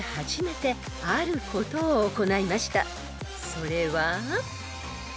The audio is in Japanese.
［それは］